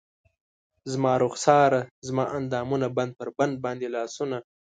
زما رخسار زما اندامونه بند پر بند باندې لاسونه